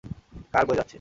কার বয়ে যাচ্ছে?